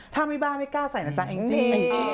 ถ้าไม่บ้าไม่กล้าใส่นะจ๊แองจี้